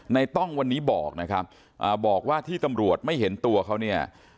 ต้องวันนี้บอกนะครับบอกว่าที่ตำรวจไม่เห็นตัวเขาเนี่ย